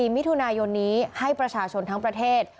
มิถุนายนนี้ให้ประชาชนทั้งประเทศ